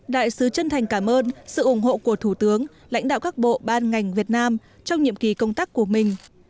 đại sứ chân thành cảm ơn sự ủng hộ của thủ tướng lãnh đạo các bộ ban ngành việt nam trong nhiệm kỳ công tác của mình